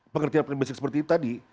pengertian prinsip seperti tadi